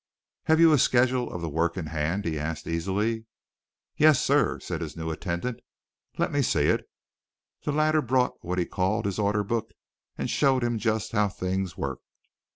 "Have you a schedule of the work in hand?" he asked easily. "Yes, sir," said his new attendant. "Let me see it." The latter brought what he called his order book and showed him just how things worked.